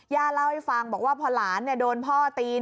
เล่าให้ฟังบอกว่าพอหลานโดนพ่อตี